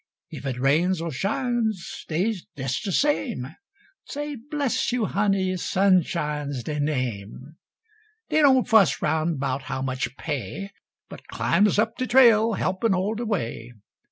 If it rains or shines, dey's des de same Say, bless you, honey, Sunshine's dey name; Dey don't fuss round 'bout how much pay But climbs up de trail, helpin' all de way.